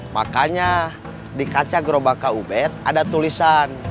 makanya di kaca gerobak kak ubed ada tulisan